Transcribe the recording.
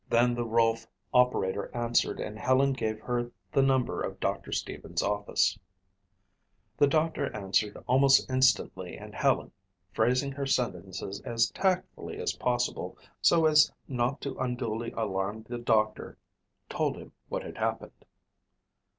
Then the Rolfe operator answered and Helen gave her the number of Doctor Stevens' office. The doctor answered almost instantly and Helen, phrasing her sentences as tactfully as possible so as not to unduly alarm the doctor, told him what had happened.